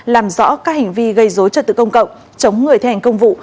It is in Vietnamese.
làm rõ các hành vi gây dối trật tự công cộng chống người thi hành công vụ